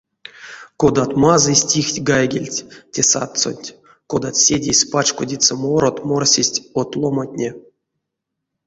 Кодат мазый стихть гайгильть те садсонть, кодат седейс пачкодиця морот морсесть од ломантне.